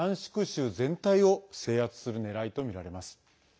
州全体を制圧する狙いとみられます。